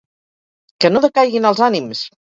Que no decaiguin els ànims!